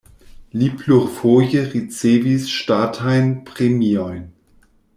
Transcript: Li plurfoje ricevis ŝtatajn premiojn.